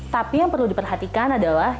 tapi yang perlu diperhatikan adalah